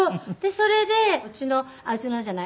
それでうちのうちのじゃない。